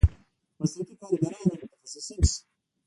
مسلکي کارګران او متخصصین شي.